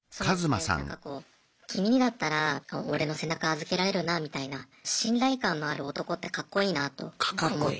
なんかこう君にだったら俺の背中預けられるなみたいな信頼感のある男ってカッコいいなあと思って。